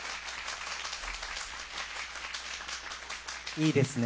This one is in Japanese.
いいですね。